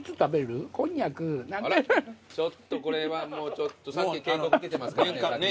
ちょっとこれはもうちょっとさっき警告受けてますからね。